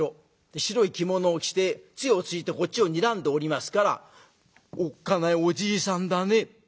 白い着物を着て杖をついてこっちをにらんでおりますから「おっかないおじいさんだね。